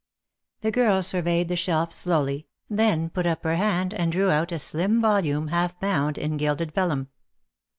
The girl surveyed the shelf slowly, then put up her hand and drew out a slim volume half bound in gilded vellum.